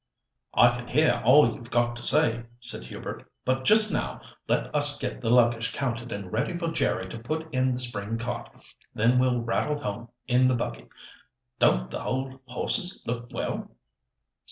"I can hear all you've got to say," said Hubert; "but just now let us get the luggage counted and ready for Jerry to put in the spring cart; then we'll rattle home in the buggy. Don't the old horses look well?"